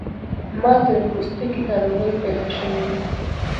ماته د پوستکی ناروغۍ پیدا شوی ده